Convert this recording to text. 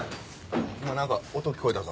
今なんか音聞こえたぞ。